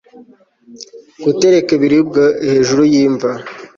gutereka ibiribwa hejuru y'imva